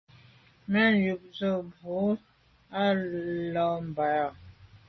Mèn yub ze bo bwe i là b’a yà.